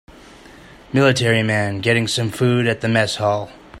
Military man getting some food at the mess hall.